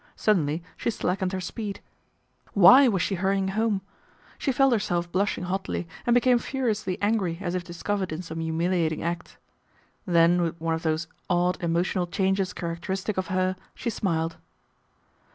Suddenly she slackened her speed. Why was she hurrying home ? She felt herself blushing hotly, and became furiously angry as if discovered in some humiliating act. Then with one of those odd emotional changes characteristic of her, she smiled.